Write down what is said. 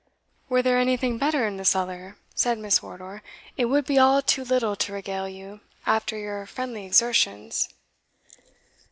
"Were there anything better in the cellar," said Miss Wardour, "it would be all too little to regale you after your friendly exertions."